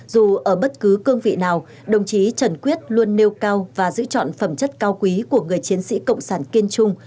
dù ở bất cứ cương vị nào đồng chí trần quyết luôn nêu cao và giữ chọn phẩm chất cao quý của người chiến sĩ cộng sản kiên trung